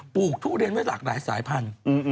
ลูกทุเรียนไว้หลากหลายสายพันธุ์